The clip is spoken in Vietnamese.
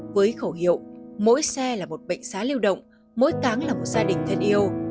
với khẩu hiệu mỗi xe là một bệnh xá lưu động mỗi táng là một gia đình thân yêu